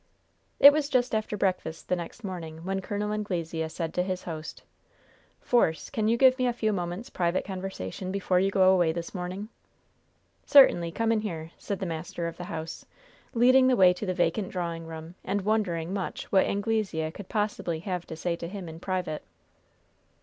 It was just after breakfast the next morning when Col. Anglesea said to his host: "Force, can you give me a few moments private conversation before you go away this morning?" "Certainly. Come in here," said the master of the house, leading the way to the vacant drawing room, and wondering much what Anglesea could possibly have to say to him in private.